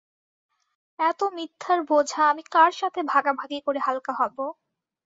এতো মিথ্যার বোঝা আমি কার সাথে ভাগাভাগি করে হালকা হবো?